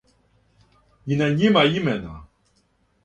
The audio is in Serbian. и на њима имена